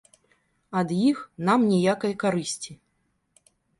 Ад іх нам ніякай карысці.